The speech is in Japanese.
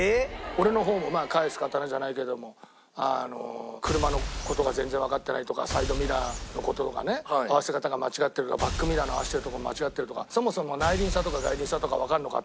俺の方も返す刀じゃないけども「車の事が全然わかってない」とかサイドミラーの事とか「合わせ方が間違ってる」とか「バックミラーの合わせてるとこ間違ってる」とか「そもそも内輪差とか外輪差とかわかるのか？」